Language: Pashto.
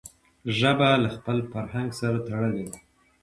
ژبه له خپل فرهنګ سره تړلي ده.